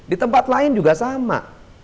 di tempat lain juga sama